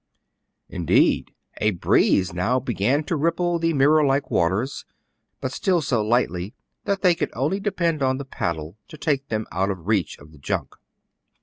Indeed, a breeze now began to ripple the mirror like waters, but still so lightly that they could only depend on the paddle to take them out of reach of the junk.